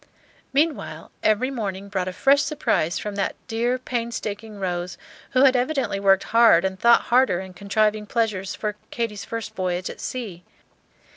Meanwhile, every morning brought a fresh surprise from that dear, painstaking Rose, who had evidently worked hard and thought harder in contriving pleasures for Katy's first voyage at sea.